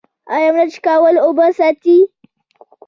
آیا ملچ کول اوبه ساتي؟